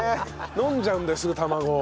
飲んじゃうんだよすぐ卵を。